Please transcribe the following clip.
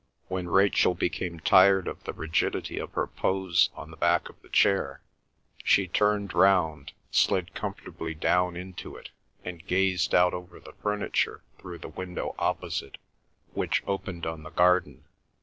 When Rachel became tired of the rigidity of her pose on the back of the chair, she turned round, slid comfortably down into it, and gazed out over the furniture through the window opposite which opened on the garden.